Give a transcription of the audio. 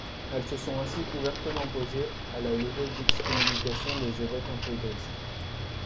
Elles se sont ainsi ouvertement opposées à la levée d'excommunication des évêques intégristes.